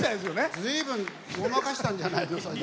ずいぶんごまかしたんじゃないですか。